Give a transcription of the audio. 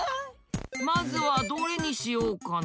まずはどれにしようかな。